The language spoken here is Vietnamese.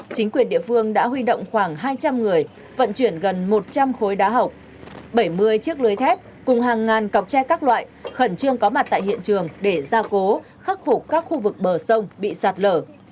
chính quyền địa phương đã huy động khoảng hai trăm linh người vận chuyển gần một trăm linh khối đá hộc bảy mươi chiếc lưới thép cùng hàng ngàn cọc tre các loại khẩn trương có mặt tại hiện trường để ra cố khắc phục các khu vực bờ sông bị sạt lở